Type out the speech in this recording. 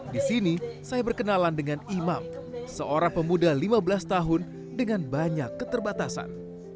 di sini saya berkenalan dengan imam seorang pemuda lima belas tahun dengan banyak keterbatasan